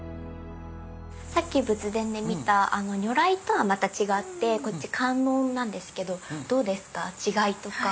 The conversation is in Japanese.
さっき仏殿で見た如来とはまた違ってこっち観音なんですけどどうですか？